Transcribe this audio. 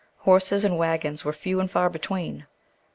Horses and wagons were few and far between.